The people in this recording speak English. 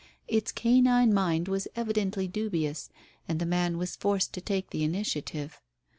Its canine mind was evidently dubious, and the man was forced to take the initiative.